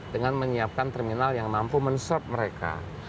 dengan menyiapkan terminal yang mampu men short mereka